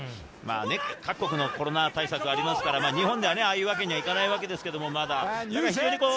各国のコロナ対策がありますから、日本ではああいうわけには行かないわけですけど。